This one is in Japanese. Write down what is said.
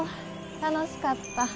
楽しかった。